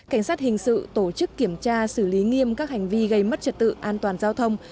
cảnh sát hình sự tổ chức kiểm tra xử lý nghiêm các hành vi gây mất trật tự an toàn giao thông